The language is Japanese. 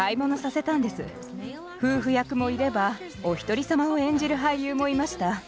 夫婦役もいればおひとりさまを演じる俳優もいました。